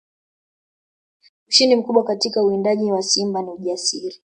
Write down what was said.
Ushindi mkubwa katika uwindaji wa simba ni ujasiri